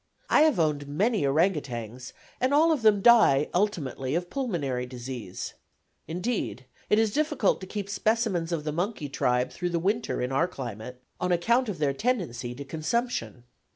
I have owned many ourang outangs, and all of them die ultimately of pulmonary disease; indeed, it is difficult to keep specimens of the monkey tribe through the winter in our climate, on account of their tendency to consumption.